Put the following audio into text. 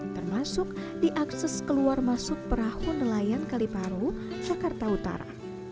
termasuk diakses keluar masuk perahu nelayan kaliparu jakarta utara